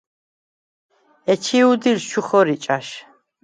ეჩი̄ უდილს ჩუ ხორი ჭა̈შ.